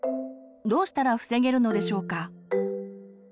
どうしたら防げるのでしょうか？